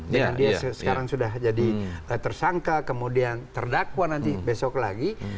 dengan dia sekarang sudah jadi tersangka kemudian terdakwa nanti besok lagi